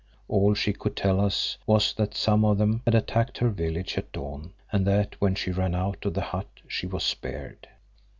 All she could tell us was that some of them had attacked her village at dawn and that when she ran out of the hut she was speared.